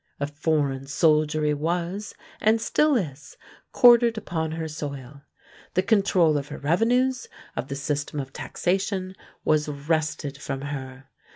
A foreign soldiery was, and still is, quartered upon her soil. The control of her revenues, of the system of taxation, was wrested from her.